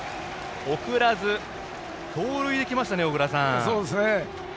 送らず、盗塁できましたね小倉さん。